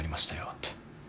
って。